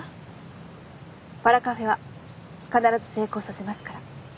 パラカフェは必ず成功させますから。